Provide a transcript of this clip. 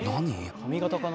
髪型かな？